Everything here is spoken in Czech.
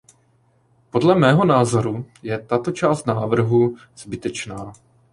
Podle mého názoru je tato část návrhu zbytečná.